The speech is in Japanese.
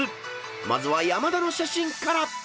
［まずは山田の写真から］